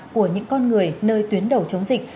của những con người nơi tuyến đầu chống dịch